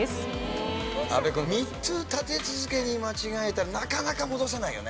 阿部君３つ立て続けに間違えたらなかなか戻せないよね？